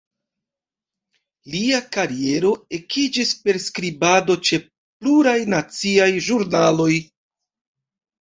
Lia kariero ekiĝis per skribado ĉe pluraj naciaj ĵurnaloj.